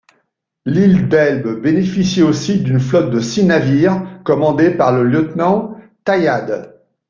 L'île d'Elbe bénéficie aussi d'une flotte de six navires, commandés par le lieutenant Taillade.